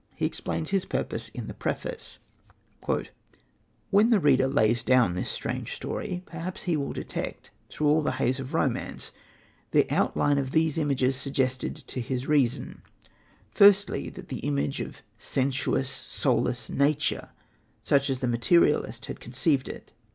He explains his purpose in the Preface: "When the reader lays down this strange story, perhaps he will detect, through all the haze of Romance, the outlines of these images suggested to his reason: Firstly, the image of sensuous, soulless Nature, such as the Materialist had conceived it.